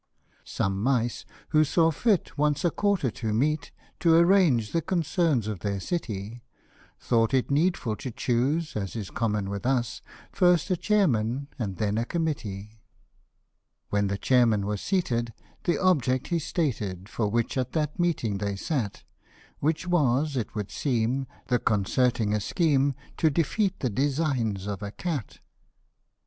SOME mice who saw fit once a quarter to meet, To arrange the concerns of their city ; Thought it needful to choose, as is common with us, First a chairman and then a committee. The Frogs & the Bull. The Council of Mice. 73 When the chairman was seated, the object he stated For which at that meeting they sat ; Which was, it should seem, the concerting a scheme To defeat the designs of the cat.